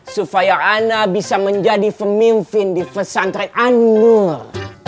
supaya ana bisa menjadi pemimpin di pesantren an nur